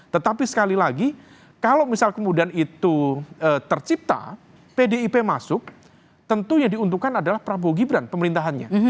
tetapi sekali lagi kalau misal kemudian itu tercipta pdip masuk tentu yang diuntungkan adalah prabowo gibran pemerintahannya